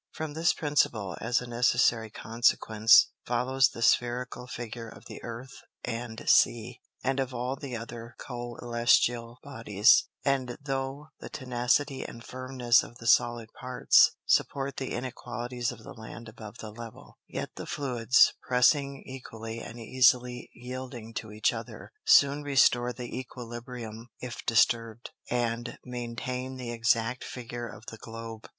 From this Principle, as a necessary Consequence, follows the Sphærical Figure of the Earth and Sea, and of all the other Cœlestial Bodies: And tho' the tenacity and firmness of the Solid Parts, support the Inequalities of the Land above the Level; yet the Fluids, pressing equally and easily yielding to each other, soon restore the Æquilibrium, if disturbed, and maintain the exact Figure of the Globe.